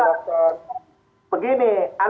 apa harus dilakukan